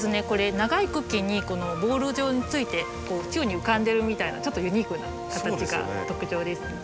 これ長い茎にこのボール状について宙に浮かんでるみたいなちょっとユニークな形が特徴です。